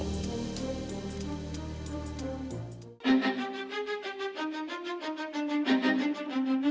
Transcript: masyarakat jalan kita dua